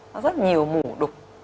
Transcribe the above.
nó rất nhiều mũ đục